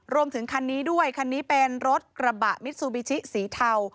รวมถึงคันนี้ด้วยคันนี้เป็นรถกระบะมิซูบิชิสีเทา